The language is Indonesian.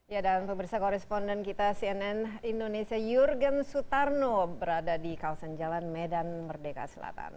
ya dan pemirsa koresponden kita cnn indonesia jurgen sutarno berada di kawasan jalan medan merdeka selatan